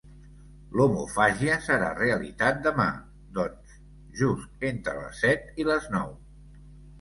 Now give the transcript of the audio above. L'omofàgia serà realitat demà, doncs, just entre les set i les nou.